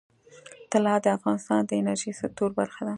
طلا د افغانستان د انرژۍ سکتور برخه ده.